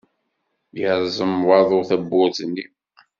Yerẓem waḍu tawwurt-nni.